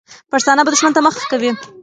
پښتانه به دښمن ته مخه کوي.